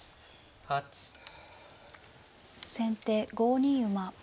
先手５二馬。